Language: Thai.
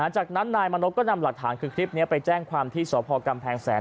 จากนั้นนายมณพก็นำหลักฐานคือคลิปนี้ไปแจ้งความที่สพกำแพงแสน